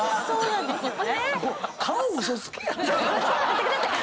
そうなんです。